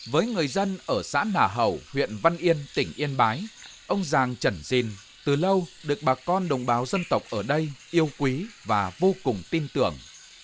với người dân ở xã nà hẩu huyện văn yên tỉnh yên bái ông giàng trẩn dìn từ lâu được bà con đồng bào dân tộc ở đây yêu quý và vô cùng tin tưởng